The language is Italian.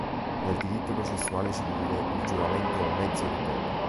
Nel diritto processuale civile, il giuramento è un mezzo di prova.